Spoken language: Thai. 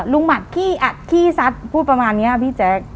หมัดขี้อัดขี้ซัดพูดประมาณนี้พี่แจ๊ค